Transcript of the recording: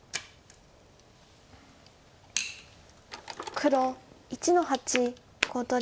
黒１の八コウ取り。